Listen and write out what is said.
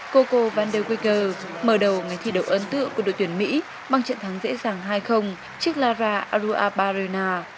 coco van der weyker mở đầu ngày thi đấu ấn tượng của đội tuyển mỹ bằng trận thắng dễ dàng hai trước lara aruaparena